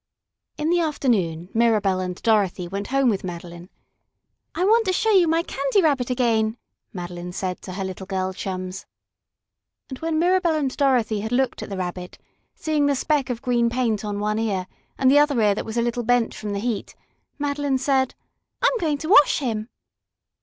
In the afternoon Mirabell and Dorothy went home with Madeline. "I want to show you my Candy Rabbit again," Madeline said to her little girl chums. And when Mirabell and Dorothy had looked at the Rabbit, seeing the speck of green paint on one ear and the other ear that was a little bent from the heat, Madeline said: "I'm going to wash him!"